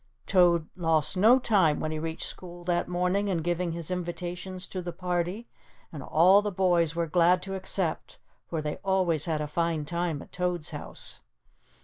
Toad lost no time when he reached school that morning in giving his invitations to the party and all the boys were glad to accept, for they always had a fine time at Toad's house.